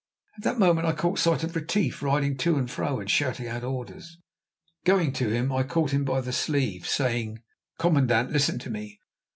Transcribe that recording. At that moment I caught sight of Retief riding to and fro and shouting out orders. Going to him, I caught him by the sleeve, saying: "Commandant, listen to me."